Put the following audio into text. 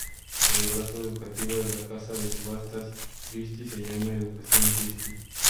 El brazo educativo de la casa de subastas Christie se llama Educación Christie.